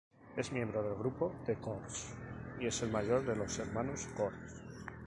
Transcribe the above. Es miembro del grupo The Corrs y es el mayor de los hermanos Corr.